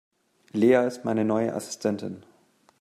Lea ist meine neue Assistentin.